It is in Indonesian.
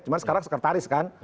cuma sekarang sekretaris kan